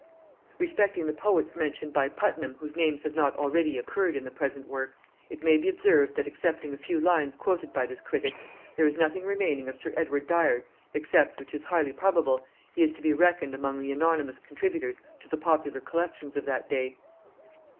Respecting the poets mentioned by Puttenham whose names have not already occurred in the present work, it may be observed, that excepting a few lines quoted by this critic, there is nothing remaining of sir Edward Dyer's, except, which is highly probable, he is to be reckoned among the anonymous contributors to the popular collections of that day.